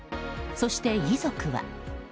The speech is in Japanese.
そして、遺族は。